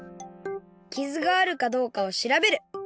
きずがあるかどうかをしらべる。